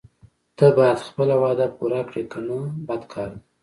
ته باید خپله وعده پوره کړې کنه بد کار ده.